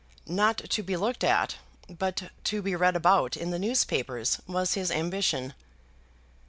Not to be looked at, but to be read about in the newspapers, was his ambition.